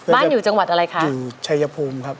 อยู่จังหวัดอะไรคะอยู่ชายภูมิครับ